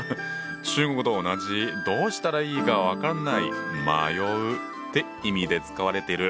中国と同じ「どうしたらいいか分からない迷う」って意味で使われてる。